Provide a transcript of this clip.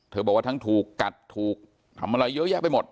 บอกว่าทั้งถูกกัดถูกทำอะไรเยอะแยะไปหมด